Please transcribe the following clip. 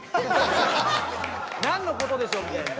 何の事でしょうみたいな。